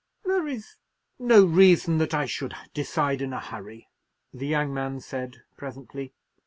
"There is no reason that I should decide in a hurry," the young man said, presently.